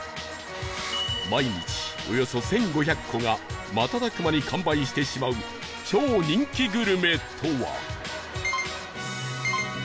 毎日およそ１５００個が瞬く間に完売してしまう超人気グルメとは？